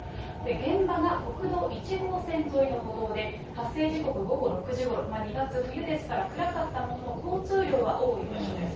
現場が国道１号線沿いの歩道で、発生時刻午後６時ごろ、２月、冬ですから、暗かったものの、交通量は多い場所です。